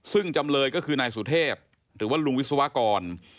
ซึ่งจำเลยก็คือนายสุเทพหรือว่าลุงวิศวกร